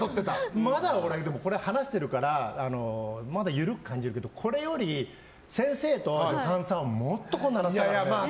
でも、これ話してるからまだ緩く感じるけどこれより先生と助監さんはもっとこんなになってたからね。